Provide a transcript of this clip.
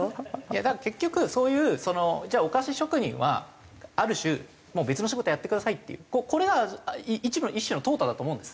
だから結局そういうじゃあお菓子職人はある種もう別の仕事やってくださいっていうこれは一部の一種の淘汰だと思うんです。